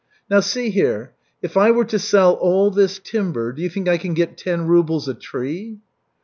"Now, see here, if I were to sell all this timber, do you think I can get ten rubles a tree?"